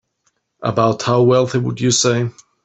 About how wealthy would you say?